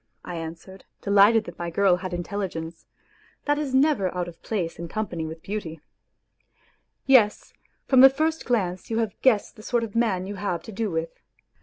" I answered, delighted WHITE NIGHTS that my girl had intelligence ; that is never out of place in com pany with beauty. " Yes, from the first glance you have guessed the sort of man you have to do with.